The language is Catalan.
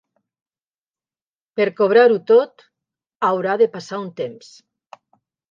Per cobrar-ho tot, haurà de passar un temps.